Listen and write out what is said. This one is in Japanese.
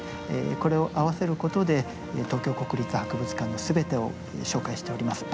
これを合わせることで東京国立博物館のすべてを紹介しております。